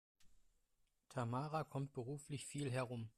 Tamara kommt beruflich viel herum.